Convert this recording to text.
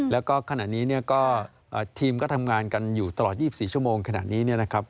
แล้วก็ขนาดนี้ทีมก็ทำงานกันอยู่ตลอด๒๔ชั่วโมงขนาดนี้นะครับ